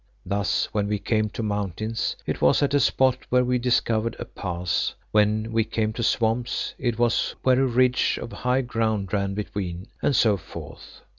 Thus when we came to mountains, it was at a spot where we discovered a pass; when we came to swamps it was where a ridge of high ground ran between, and so forth.